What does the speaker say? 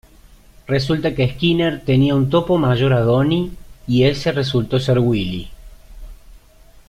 Resulta que Skinner tenía un topo mayor a Donny, y ese resultó ser Willie.